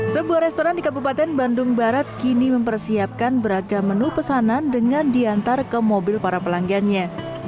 sebuah restoran di kabupaten bandung barat kini mempersiapkan beragam menu pesanan dengan diantar ke mobil para pelanggannya